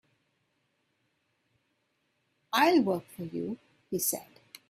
"I'll work for you," he said.